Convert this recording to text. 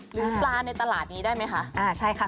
หรือปลาในตลาดนี้ได้มั้ยคะ